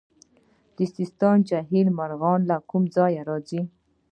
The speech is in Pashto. د سیستان جهیل مرغان له کوم ځای راځي؟